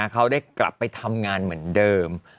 เขาได้กลับไปทำงานเหมือนเดิม